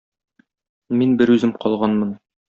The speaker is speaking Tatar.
Мин берүзем калганмын.